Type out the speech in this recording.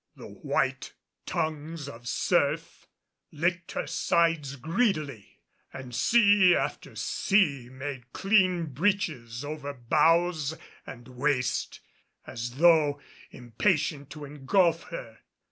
The white tongues of surf licked her sides greedily, and sea after sea made clean breaches over bows and waist as though impatient to engulf her.